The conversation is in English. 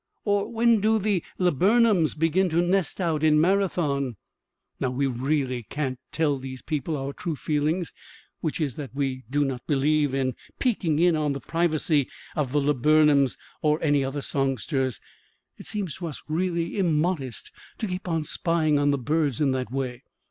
or "When do the laburnums begin to nest out in Marathon?" Now we really can't tell these people our true feeling, which is that we do not believe in peeking in on the privacy of the laburnums or any other songsters. It seems to us really immodest to keep on spying on the birds in that way.